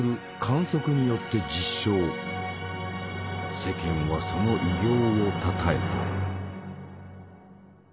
世間はその偉業をたたえた。